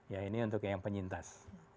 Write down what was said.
ya ini untuk yang penyintas